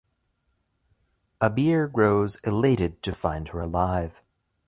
Abir grows elated to find her alive.